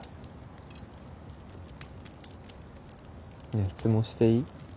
ねぇ質問していい？